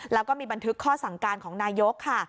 แล้วก็มีบันทึกข้อสั่งการของนายกค่ะ